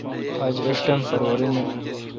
آج ایݭٹم فروری نہ۔